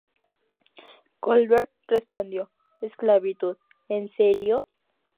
Colbert respondió, "Esclavitud…¿En serio?